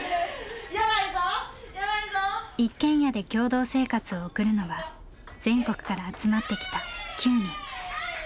一軒家で共同生活を送るのは全国から集まってきた９人。